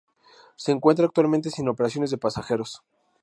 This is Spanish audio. Se encuentra actualmente sin operaciones de pasajeros.